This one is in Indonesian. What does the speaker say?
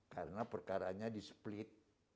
karena perkaranya di split